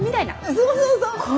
そうそうそう。